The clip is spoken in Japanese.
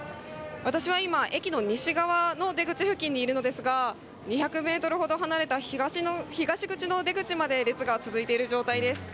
私は今、駅の西側の出口付近にいるのですが、２００メートルほど離れた東口の出口まで列が続いている状態です。